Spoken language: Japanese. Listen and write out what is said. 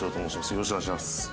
よろしくお願いします。